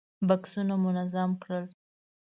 بکسونه مو منظم کړل.